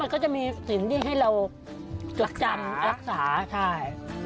เขาจะมีสินที่ให้เราจดจำรักษาใช่